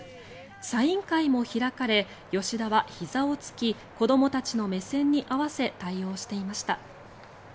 サイン会も開かれ吉田はひざをつき子どもたちの目線に合わせ対応していました。